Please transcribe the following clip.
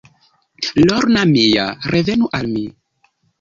Lorna mia, revenu al mi!